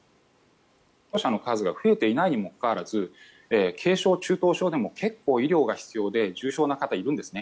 死亡者の数が増えていないにもかかわらず軽症、中等症でも結構、医療が必要で重症な方がいるんです。